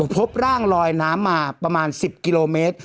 พบร่างลอยน้ำมาประมาณ๑๐กิโลเมตร